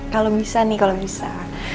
kalau bisa nih kalau bisa